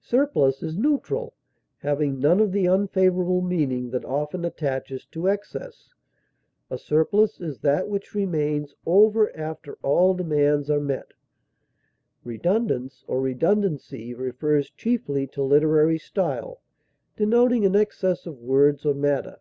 Surplus is neutral, having none of the unfavorable meaning that often attaches to excess; a surplus is that which remains over after all demands are met. Redundance or redundancy refers chiefly to literary style, denoting an excess of words or matter.